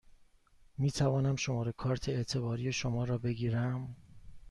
می توانم شماره کارت اعتباری شما را بگیرم؟